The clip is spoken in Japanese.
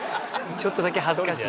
ちょっとだけ恥ずかしい。